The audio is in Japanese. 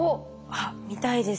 あっ見たいです。